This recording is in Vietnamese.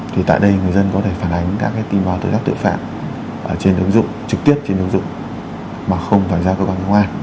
thì tại đây người dân có thể phản ánh các tin báo tội áp tội phạm trên ứng dụng trực tiếp trên ứng dụng mà không phải ra cơ quan công an